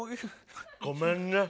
ごめんね。